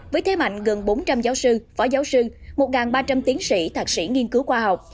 với thế mạnh gần bốn trăm linh giáo sư phó giáo sư một ba trăm linh tiến sĩ thạc sĩ nghiên cứu khoa học